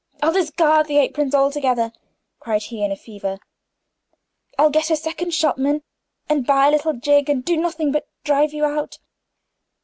"I'll discard the aprons altogether," cried he, in a fever. "I'll get a second shopman, and buy a little gig, and do nothing but drive you out.